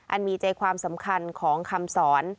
มีใจความสำคัญของคำสอน